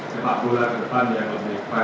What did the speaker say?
kemakburan depan yang lebih kebar